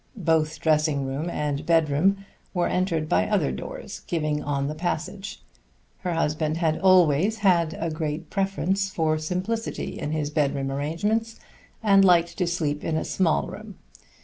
Both dressing room and bedroom were entered by other doors giving on the passage. Her husband had always had a preference for the greatest simplicity in his bedroom arrangements, and liked to sleep in a small room.